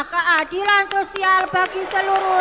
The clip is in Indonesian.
keadilan sosial bagi seluruh